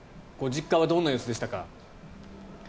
ご実家はどんな様子でしたか？